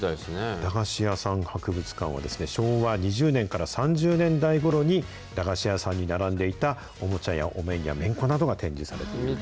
駄菓子屋さん博物館は、昭和２０年からえ３０年代ごろに駄菓子屋さんに並んでいたおもちゃや、お面や、めんこなどが展示されていると。